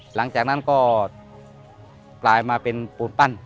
หลังจากนั้นก็กลายมาเป็นปูนปั้น